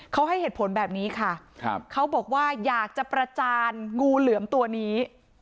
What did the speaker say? เขาให้เหตุผลแบบนี้ค่ะเขาบอกว่าอยากจะประจานงูเหลือมตัวนี้